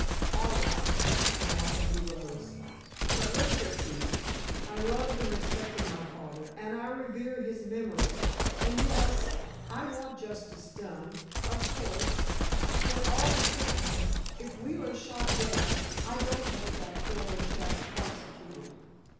"All right," and Appleby rose. "But, look here, Keefe. I loved and respected my father, and I revere his memory—and, yes, I want justice done—of course, but, all the same, if Wheeler shot dad, I don't want that poor old chap prosecuted.